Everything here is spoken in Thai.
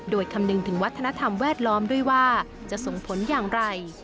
โดยคำนึงถึงวัฒนธรรมแวดล้อมด้วยว่าจะส่งผลอย่างไร